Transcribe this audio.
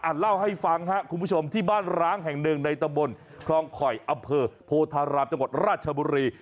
เล่าให้ฟังครับคุณผู้ชมที่บ้านร้างแห่งหนึ่งในตำบลคลองคอยอำเภอโพธารามจังหวัดราชบุรี